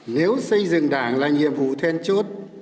nếu xây dựng đảng là nhiệm vụ then chốt